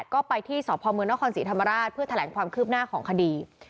ก็ไปที่สพมนครศรีธรรมราชเพื่อแถลงความคืบหน้าของคดี